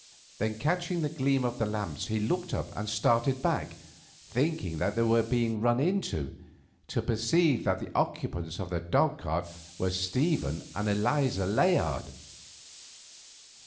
Then catching the gleam of the lamps he looked up and started back, thinking that they were being run into, to perceive that the occupants of the dog cart were Stephen and Eliza Layard.